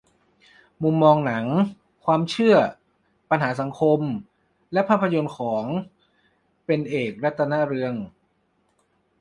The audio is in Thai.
มองมุมหนัง ความเชื่อ ปัญหาสังคม และภาพยนตร์ของ "เป็นเอก รัตนเรือง"